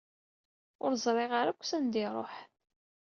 Ur ẓriɣ ara akk sanda i iṛuḥ.